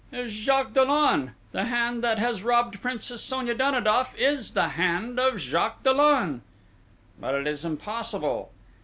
"Is Jacques Dollon!... The hand that has robbed Princess Sonia Danidoff is the hand of Jacques Dollon!" "But it is impossible!"